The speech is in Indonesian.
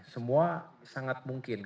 semua sangat mungkin